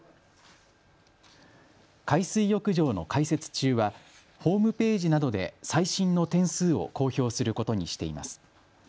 海水浴場の開設中はホームページなどで最新の点数を公表することにしています。